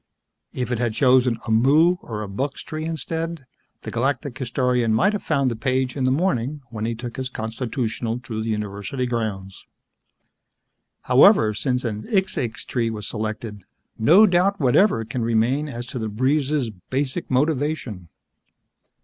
If it had chosen a muu or a buxx tree instead, the Galactic Historian might have found the page in the morning when he took his constitutional through the university grounds. However, since a xixxix tree was selected, no doubt whatever can remain as to the breeze's basic motivation.